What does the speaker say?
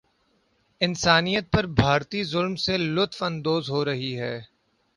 انسانیت پر بھارتی ظلم سے لطف اندوز ہورہی ہے